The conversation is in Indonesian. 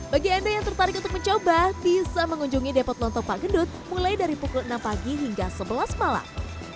bagi anda yang tertarik untuk mencoba bisa mengunjungi depot lontong pak gendut mulai dari pukul enam pagi hingga sebelas malam